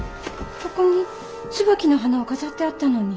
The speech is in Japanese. ここに椿の花を飾ってあったのに。